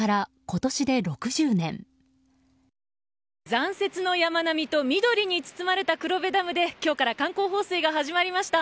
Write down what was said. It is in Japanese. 残雪の山並みと緑に包まれた黒部ダムで今日から観光放水が始まりました。